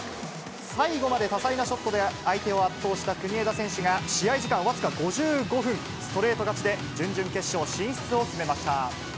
最後まで多彩なショットで相手を圧倒した国枝選手が、試合時間僅か５５分、ストレート勝ちで準々決勝進出を決めました。